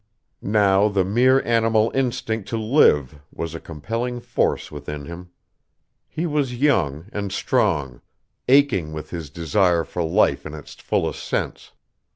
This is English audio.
Now the mere animal instinct to live was a compelling force within him. He was young and strong, aching with his desire for life in its fullest sense.